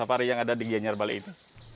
taman sapari yang ada di ginyar bali itu